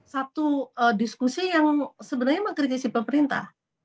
satu diskusi yang sebenarnya mengkritisi pemerintah